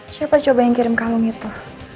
siapa coba yang kirim kamu gitu